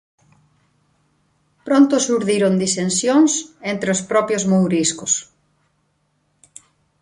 Pronto xurdiron disensións entre os propios mouriscos.